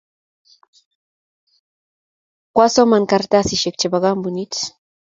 Kwasomon kartasisiek chebo kampunit.